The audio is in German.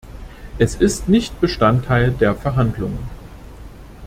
Es ist nicht Bestandteil der Verhandlungen.